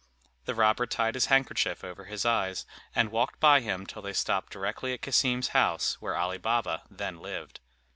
The robber tied his handkerchief over his eyes, and walked by him till they stopped directly at Cassim's house, where Ali Baba then lived.